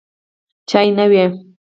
چای نه و.